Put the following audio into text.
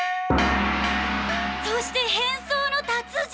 そして変装の達人！